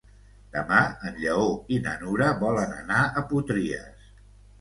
Demà en Lleó i na Nura volen anar a Potries.